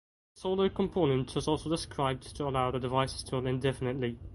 A solar component was also described to allow the devices to run indefinitely.